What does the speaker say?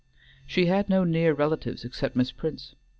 She had no near relatives except Miss Prince.